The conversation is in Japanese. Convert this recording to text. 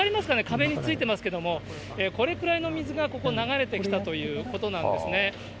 壁についてますけども、これくらいの水がここ、流れてきたということなんですね。